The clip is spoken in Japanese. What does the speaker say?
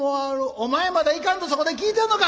お前まだ行かんとそこで聞いてんのか！